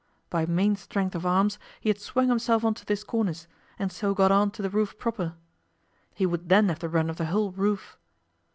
By main strength of arms he had swung himself on to this cornice, and so got on to the roof proper. He would then have the run of the whole roof.